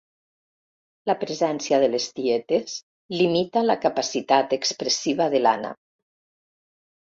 La presència de les tietes limita la capacitat expressiva de l'Anna.